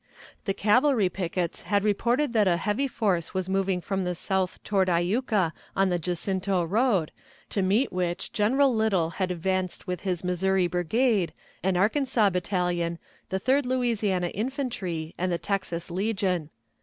The cavalry pickets had reported that a heavy force was moving from the south toward Iuka on the Jacinto road, to meet which General Little had advanced with his Missouri brigade, an Arkansas battalion, the Third Louisiana Infantry, and the Texas Legion.